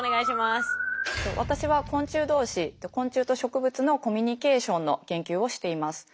私は昆虫同士昆虫と植物のコミュニケーションの研究をしています。